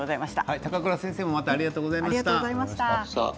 高倉先生もありがとうございました。